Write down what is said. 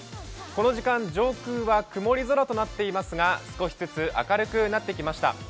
この時間、上空は曇り空となっていますが、少しずつ明るくなってきました。